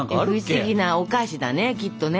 フシギなお菓子だねきっとね。